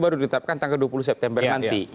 baru ditetapkan tanggal dua puluh september nanti